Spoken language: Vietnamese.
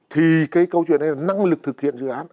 thì cái câu chuyện hay là năng lực thực hiện dự án